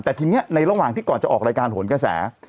แต่ทีนี้ในระหว่างที่ก่อนจะออกรายการโหนกระแส